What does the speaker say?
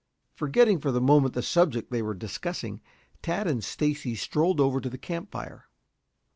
Forgetting for the moment the subject they were discussing, Tad and Stacy strolled over to the camp fire.